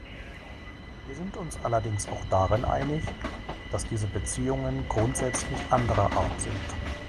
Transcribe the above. Wir sind uns allerdings auch darin einig, dass diese Beziehungen grundsätzlich anderer Art sind.